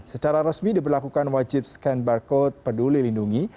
secara resmi diberlakukan wajib scan barcode peduli lindungi